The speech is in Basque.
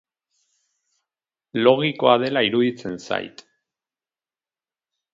Logikoa dela iruditzen zait.